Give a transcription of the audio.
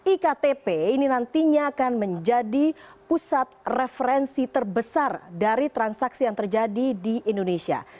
iktp ini nantinya akan menjadi pusat referensi terbesar dari transaksi yang terjadi di indonesia